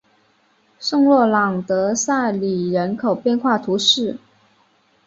圣洛朗德塞里人口变化图示